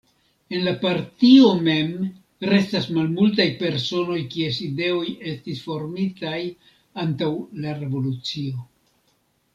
En la Partio mem restas malmultaj personoj kies ideoj estis formitaj antaŭ la Revolucio.